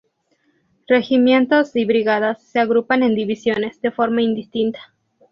Regimientos y brigadas se agrupan en divisiones, de forma indistinta.